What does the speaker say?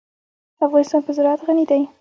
افغانستان په زراعت غني دی.